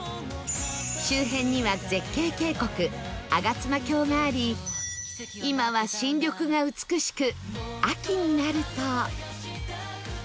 周辺には絶景渓谷吾妻峡があり今は新緑が美しく秋になると